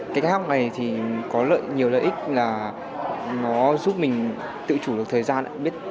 cách học này có nhiều lợi ích là nó giúp mình tự chủ được thời gian